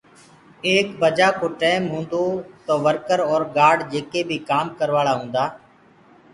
ايڪ بجآ ڪو ٽيم تو تو ورڪر اور گآرڊ جيڪي بي ڪآم ڪروآݪآ هوندآ،